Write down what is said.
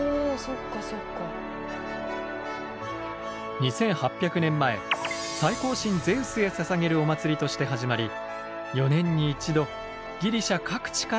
２，８００年前最高神ゼウスへささげるお祭りとして始まり４年に１度ギリシャ各地から選手が集まりました。